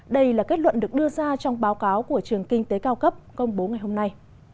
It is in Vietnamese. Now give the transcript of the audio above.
đây là kết luận được đưa ra trong báo cáo của trường kinh tế cao cấp công bố ngày hôm nay